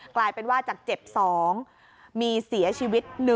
กลายเป็นว่าจากเจ็บ๒มีเสียชีวิต๑